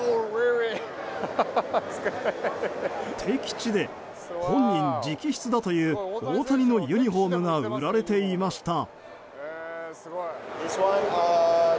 敵地で本人直筆だという大谷のユニホームが売られていました。